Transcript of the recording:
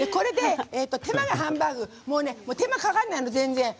「手間が半バーグ」手間がかからないの、全然。